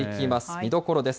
見どころです。